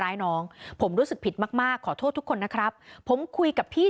ร้ายน้องผมรู้สึกผิดมากมากขอโทษทุกคนนะครับผมคุยกับพี่